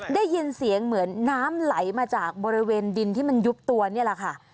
ได้ยินเสียงเหมือนน้ำไหลมาจากบริเวณดินที่มันยุบตัวนี่แหละค่ะ